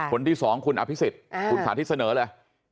คนที่๒คุณอภิษฎคุณสาธิตเสนอเลย